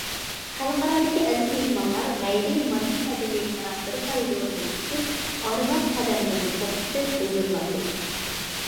خەلقئارادىكى ئەزىز مېھمانلار غەيرىي ماددىي مەدەنىيەت مىراسلىرى كارىدورىدىن ئۆتۈپ، ئارىلاپ قەدەملىرىنى توختىتىپ ھۇزۇرلاندى.